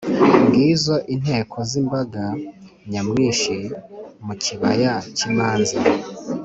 Ngizo inteko z’imbaga nyamwinshi mu kibaya cy’imanza,